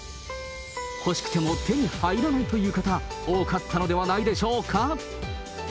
欲しくても手に入らないという方、多かったのではないでしょうか。